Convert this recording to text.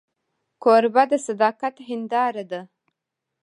کوربه د صداقت هنداره ده.